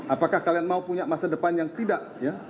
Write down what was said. apakah kalian mau punya masa depan yang tidak ya